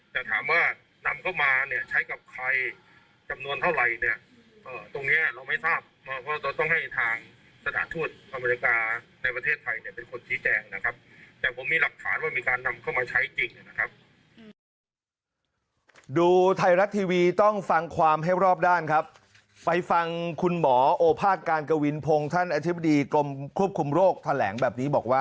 จะนำเข้ามาใช้จริงนะครับ